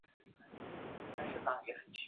也是诺瓦拉教区荣休主教。